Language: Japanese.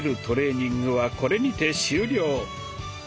トレーニングはこれにて終了！